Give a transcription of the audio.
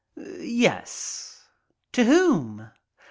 "Yes." "To whom?"